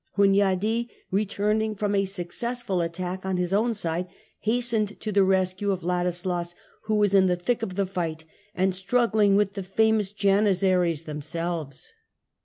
Hunyadi, returning from a successful attack on his own side, hastened to the rescue of Ladislas, who was in the thick of the fight and struggling with the famous Janissaries themselves.